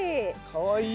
かわいい。